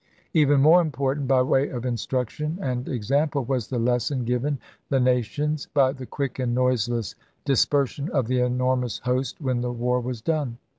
Even more important, by way of instruction and example, was the lesson given the nations by the quick and noiseless dis persion of the enormous host when the war was done.